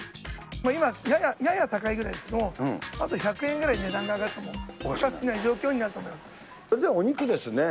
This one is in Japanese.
今やや高いぐらいですけれども、あと１００円ぐらい値段が上がってもおかしくない状況になると思お肉ですね。